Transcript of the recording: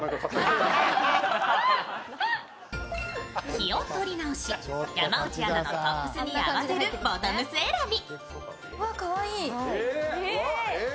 気を取り直し、山内アナのトップスに合わせるボトムス選び。